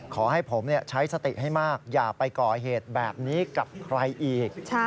ขอให้ผมใช้สติให้มากอย่าไปก่อเหตุแบบนี้กับใครอีก